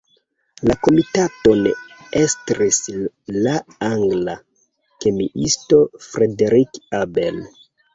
La komitaton estris la angla kemiisto Frederick Abel.